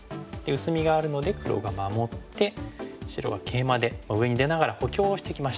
薄みがあるので黒が守って白がケイマで上に出ながら補強をしてきました。